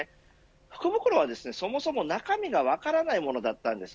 福袋は、そもそも中身の分からないものだったんです。